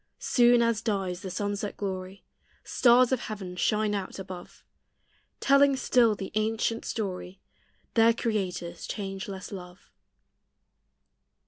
Soon as dies the sunset glory, Stars of heaven shine out above, Telling still the ancient story Their Creator's changeless love.